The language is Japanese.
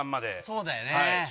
そうだよね。